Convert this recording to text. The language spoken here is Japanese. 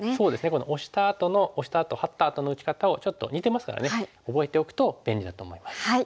このオシたあとのオシたあとハッたあとの打ち方をちょっと似てますからね覚えておくと便利だと思います。